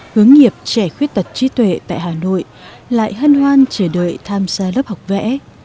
hướng nghiệp trẻ khuyết tật trí tuệ tại hà nội lại hân hoan chờ đợi tham gia lớp học vẽ